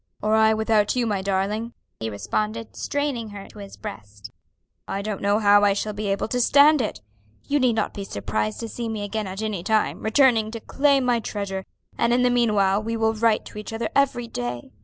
"Or I without you, my darling?" he responded, straining her to his breast. "I don't know how I shall be able to stand it. You need not be surprised to see me again at any time, returning to claim my treasure; and in the meanwhile we will write to each other every day.